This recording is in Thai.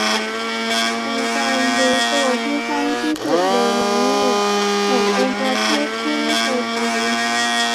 เป็นการรู้ตัวที่สั้นสุดเลยมั้งเนี่ย แถมเป็นประเทศที่ไม่เคยไป